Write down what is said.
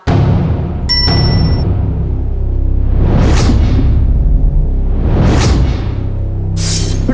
พร้อมกันเลยครับ